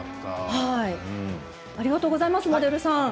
ありがとうございますモデルさん。